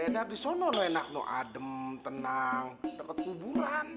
dar di sana enak no adem tenang deket kuburan